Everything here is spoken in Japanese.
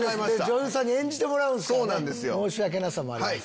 女優さんに演じてもらうんすから申し訳なさもあります。